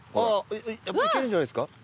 いけるんじゃないですか？